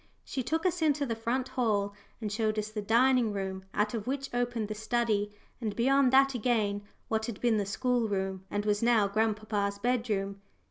She took us into the front hall and showed us the dining room, out of which opened the study, and beyond that again, what had been the school room, and was now grandpapa's bed room.